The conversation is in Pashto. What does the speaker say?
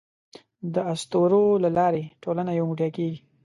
د اسطورو له لارې ټولنه یو موټی کېږي.